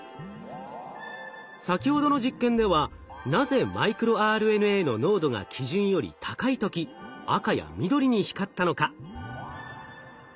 先ほどの実験ではなぜマイクロＲＮＡの濃度が基準より高い時赤や緑に光ったのか。